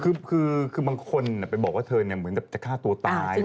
คือบางคนไปบอกว่าเธอเหมือนกับจะฆ่าตัวตาย